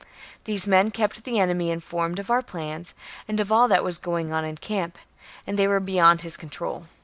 These men kept the enemy informed of our plans, and of all that was going on in camp, and they were beyond his control.